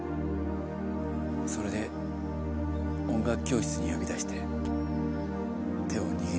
それで音楽教室に呼び出して手を握りました。